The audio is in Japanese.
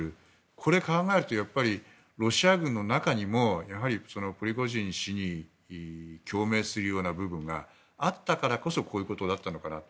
これを考えるとロシア軍の中にも、やはりプリゴジン氏に共鳴するような部分があったからこそこういうことだったのかと。